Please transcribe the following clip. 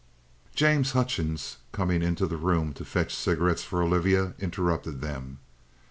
James Hutchings, coming into the room to fetch cigarettes for Olivia, interrupted them.